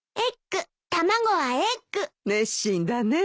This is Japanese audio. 熱心だねえ。